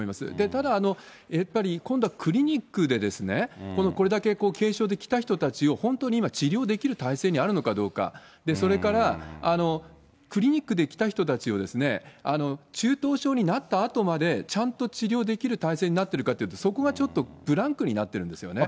ただ、やっぱり今度はクリニックで、これだけ軽症で来た人たちを、本当に今治療できる体制にあるのかどうか、それからクリニックで来た人たちを、中等症になったあとまでちゃんと治療できる体制になっているかっていうと、そこはちょっとブランクになってるんですよね。